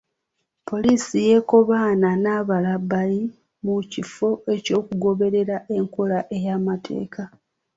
Poliisi yeekobaana n’abalabbayi mu kifo ky’okugoberera enkola ey’amateeka.